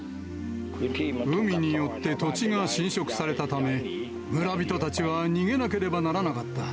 海によって土地が侵食されたため、村人たちは逃げなければならなかった。